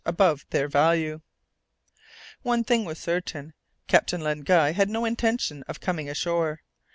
above their value. One thing was certain: Captain Len Guy had no intention of coming ashore.